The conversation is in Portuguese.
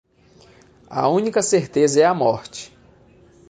A única certeza é a morte.